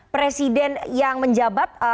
presiden yang menjabat